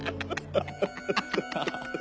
アハハハ！